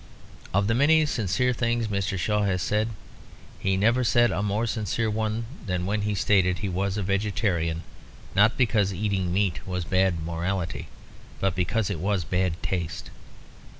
Of the many sincere things Mr. Shaw has said he never said a more sincere one than when he stated he was a vegetarian, not because eating meat was bad morality, but because it was bad taste.